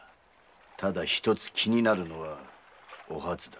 ただ一つ気になるのはお初だ。